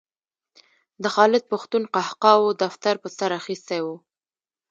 د خالد پښتون قهقهاوو دفتر په سر اخیستی و.